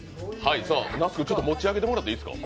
那須君、持ち上げてもらっていいですか。